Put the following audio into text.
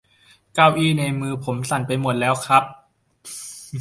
เก้าอี้ในมือผมสั่นไปหมดแล้วครับ